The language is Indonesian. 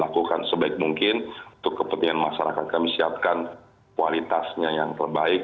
lakukan sebaik mungkin untuk kepentingan masyarakat kami siapkan kualitasnya yang terbaik